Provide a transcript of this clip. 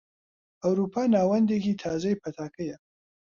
ئەوروپا ناوەندێکی تازەی پەتاکەیە.